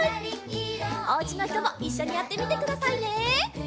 おうちのひともいっしょにやってみてくださいね！